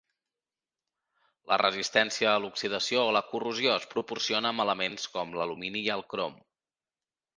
La resistència a l'oxidació o la corrosió es proporciona amb elements com l'alumini i el crom.